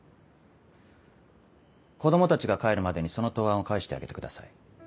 子供たちが帰るまでにその答案を返してあげてください。